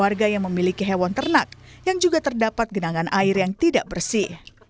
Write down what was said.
warga yang memiliki hewan ternak yang juga terdapat genangan air yang tidak bersih